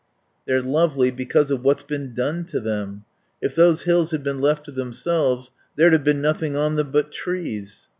"They're lovely because of what's been done to them. If those hills had been left to themselves there'd have been nothing on them but trees.